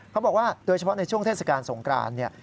เขาบอกว่าโดยเฉพาะในช่วงเทศกาลสงกรานเนี่ย